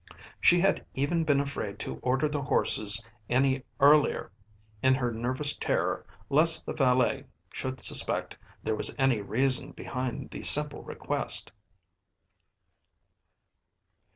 She had even been afraid to order the horses any earlier in her nervous terror lest the valet should suspect there was any reason behind the simple request.